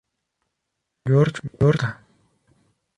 George, Utah.